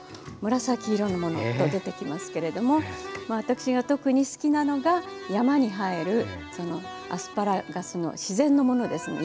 紫色のものと出てきますけれどもまあ私が特に好きなのが山に生えるそのアスパラガスの自然のものですね。